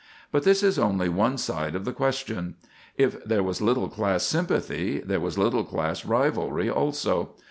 But this is only one side of the question. If there was little class sympathy, there was little class rivalry also.